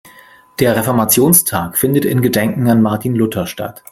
Der Reformationstag findet in Gedenken an Martin Luther statt.